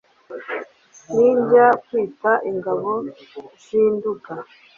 ninjya kwita ingabo z’i nduga